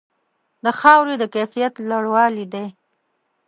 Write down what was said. د خاورې د کیفیت لوړوالې دی.